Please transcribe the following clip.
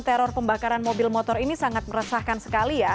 teror pembakaran mobil motor ini sangat meresahkan sekali ya